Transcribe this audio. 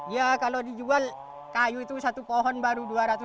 ya kalau dijual kayu itu satu pohon baru dua ratus lima puluh saja itu